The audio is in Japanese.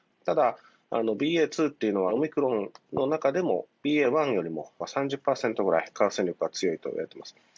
ただ、ＢＡ．２っていうのはオミクロンの中でも、ＢＡ．１よりも３０％ぐらい感染力が強いといわれています。